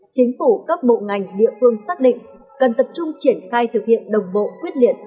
chính phủ các bộ ngành địa phương xác định cần tập trung triển khai thực hiện đồng bộ quyết liệt